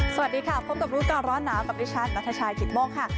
สวัสดีค่ะพบกับรู้ก่อนร้อนหนาวกับดิฉันนัทชายกิตโมกค่ะ